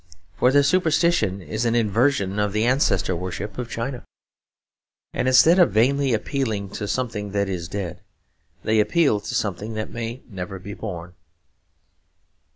For their superstition is an inversion of the ancestor worship of China; and instead of vainly appealing to something that is dead, they appeal to something that may never be born.